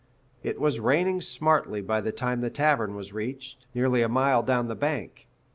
It was raining smartly by the time the tavern was reached, nearly a mile down the bank.